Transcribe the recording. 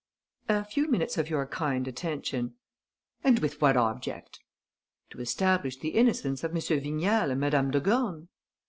"A few minutes of your kind attention." "And with what object?" "To establish the innocence of M. Vignal and Madame de Gorne."